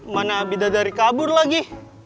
mana bidadari kabur lagi